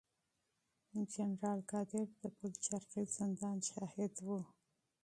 جنرال قادر د پلچرخي زندان شاهد و.